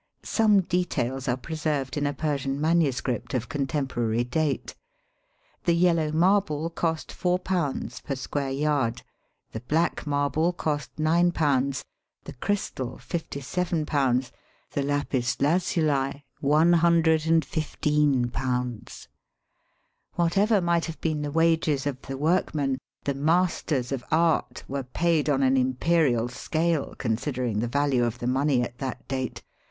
Some details are preserved in a Persian manuscript of contemporary date. The yellow marble cost £4: per square yard; the black marble cost £9 ; the crystal £67 ; the lapis lazuU J6115. "Whatever might have been the wages of the workmen, the masters of art were paid on an imperial scale consider ing the value of money at that date.